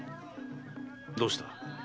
どうした？